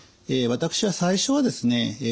私は最初はですね